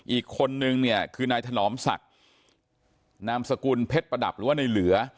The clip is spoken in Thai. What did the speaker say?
อีกคนนึงเนี่ยคือนายถนอมศักดิ์นามสกุลเพชรประดับหรือว่าในเหลือ